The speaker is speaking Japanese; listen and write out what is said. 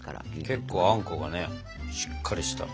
結構あんこがしっかりした。